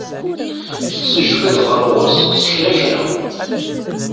Tettnejbad ɣer ɣur-s s kra kra.